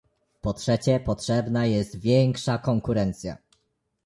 Po trzecie, potrzebna jest większa konkurencja